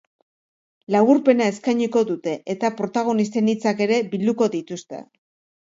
Laburpena eskainiko dute eta protagonisten hitzak ere bilduko dituzte.